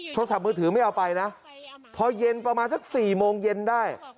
โทรศัพท์มือถือไม่เอาไปนะพอเย็นประมาณสัก๔โมงเย็นได้